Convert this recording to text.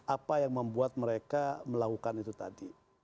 apa yang membuat mereka melakukan itu tadi